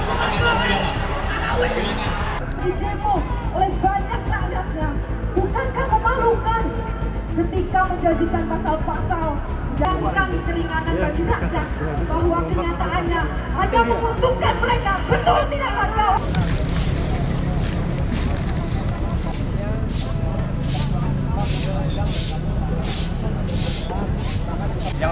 banyak banyaknya bukan kemaraukan ketika menjadikan pasal pasal dan